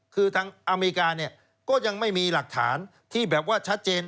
คือทางอเมริกาเนี่ยก็ยังไม่มีหลักฐานที่แบบว่าชัดเจน